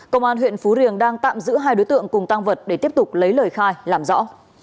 công an huyện phú riềng đang tạm giữ hai đối tượng cùng tăng vật để tiếp tục lấy lời khai làm rõ